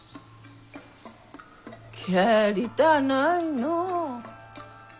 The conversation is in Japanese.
帰りたないのう。